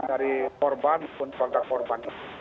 dari korban maupun keluarga korban